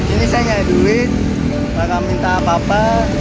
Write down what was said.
ini saya nyadulin mereka minta apa apa